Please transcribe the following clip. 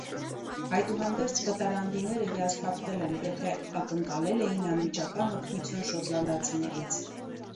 Այդուհանդերձ, վտարանդիները հիասթափվել են, եթե ակնկալել էին անմիջական օգնություն շոտլանդացիներից։